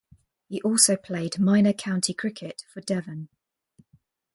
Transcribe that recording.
He also played minor county cricket for Devon.